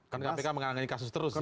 karena kpk menganggap kasus terus sih